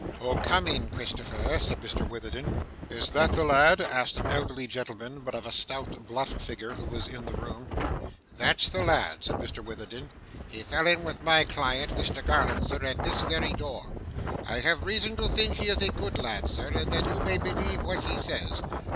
'Oh! come in, Christopher,' said Mr Witherden. 'Is that the lad?' asked an elderly gentleman, but of a stout, bluff figure who was in the room. 'That's the lad,' said Mr Witherden. 'He fell in with my client, Mr Garland, sir, at this very door. I have reason to think he is a good lad, sir, and that you may believe what he says.